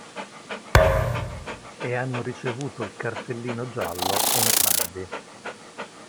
E hanno ricevuto il cartellino giallo entrambi.